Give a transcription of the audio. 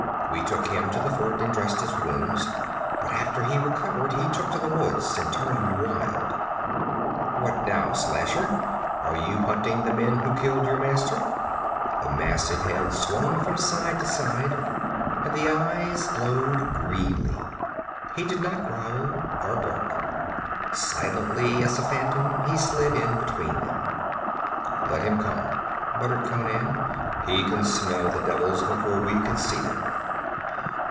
We took him to the fort and dressed his wounds, but after he recovered he took to the woods and turned wild What now, Slasher, are you hunting the men who killed your master?' The massive head swung from side to side and the eyes glowed greenly. He did not growl or bark. Silently as a phantom he slid in behind them. 'Let him come,' muttered Conan. 'He can smell the devils before we can see them.'